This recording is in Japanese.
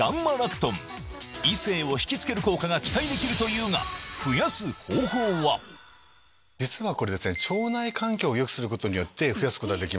異性を引き付ける効果が期待できるというが実はこれですね。